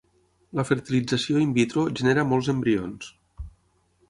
La fertilització in vitro genera molts embrions.